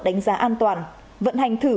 đánh giá an toàn vận hành thử